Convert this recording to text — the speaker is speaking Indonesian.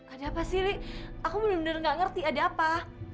ada apa sih lik aku bener bener gak ngerti ada apa